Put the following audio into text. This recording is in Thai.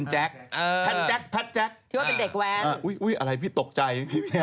หัยหัยผมตกใจ